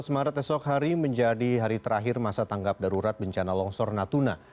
dua belas maret esok hari menjadi hari terakhir masa tanggap darurat bencana longsor natuna